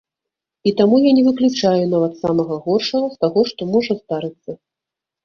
І таму я не выключаю нават самага горшага з таго, што можа здарыцца.